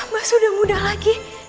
mbak sudah muda lagi